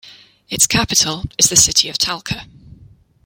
Its capital is the city of Talca.